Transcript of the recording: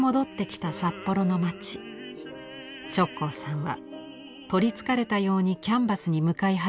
直行さんは取りつかれたようにキャンバスに向かい始めます。